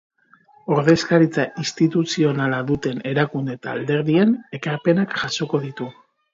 Ordezkaritza instituzionala duten erakunde eta alderdien ekarpenak jasoko ditu.